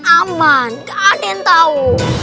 aman gak ada yang tahu